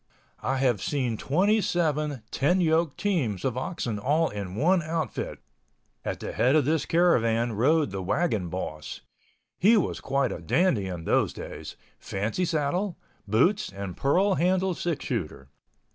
I have seen 27 ten yoke teams of oxen all in one outfit. At the head of this caravan rode the wagon boss. He was quite a dandy in those days—fancy saddle, boots and pearl handle six shooter.